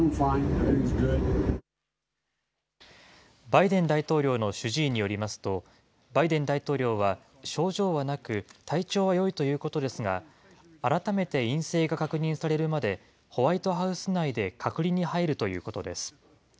バイデン大統領の主治医によりますと、バイデン大統領は症状はなく、体調はよいということですが、改めて陰性が確認されるまで、ホワイトハウス内で隔離に入るということです。